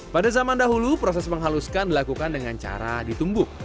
pada zaman dahulu proses menghaluskan dilakukan dengan cara ditumbuk